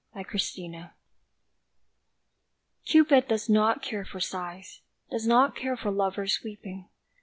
Callous Cupid CUPID does not care for sighs Does not care for lover's weeping!